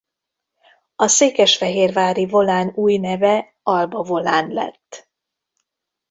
A Székesfehérvári Volán új neve Alba Volán lett.